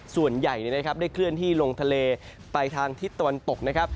ส่วนใหญ่ได้เคลื่อนที่ลงทะเลไปทางทิศตะวันตกนะครับ